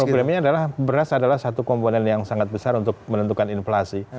problemnya adalah beras adalah satu komponen yang sangat besar untuk menentukan inflasi